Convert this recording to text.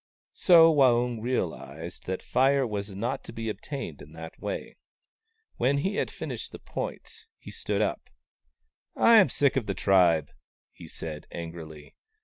So Waung reaHzcd that Fire WAUNG, THE CROW 53 was not to be obtained in that way. When he had finished the points, he stood up. " I am sick of the tribe," he said, angrily.